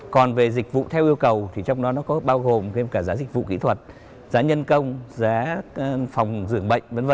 còn về dịch vụ theo yêu cầu thì trong đó có bao gồm giá dịch vụ kỹ thuật giá nhân công giá phòng dưỡng bệnh v v